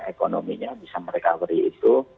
ekonominya bisa mereka beri itu